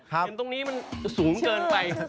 เห็นตรงนี้มันสูงเกินไป